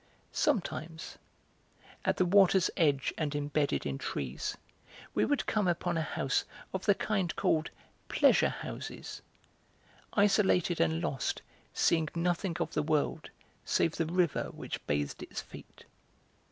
Sometimes, at the water's edge and embedded in trees, we would come upon a house of the kind called 'pleasure houses,' isolated and lost, seeing nothing of the world, save the river which bathed its feet.